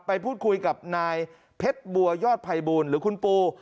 ไปพูดคุยกับนายเพชรบัวยอดภัยบูลหรือคุณปู